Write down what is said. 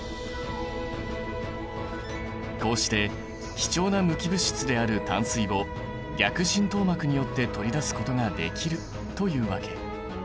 こうして貴重な無機物質である淡水を逆浸透膜によって取り出すことができるというわけ。